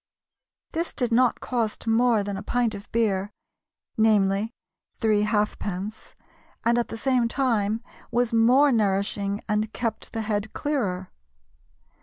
This did not cost more than a pint of beer "namely, three halfpence" and at the same time was more nourishing and kept the head clearer.